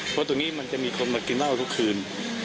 เพราะตรงนี้มันจะมีคนมากินเหล้าทุกคืน